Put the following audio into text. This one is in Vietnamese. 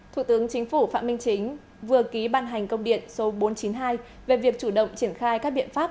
thủ tướng chính phủ phạm minh chính vừa ký ban hành công điện số bốn trăm chín mươi hai về việc chủ động triển khai các biện pháp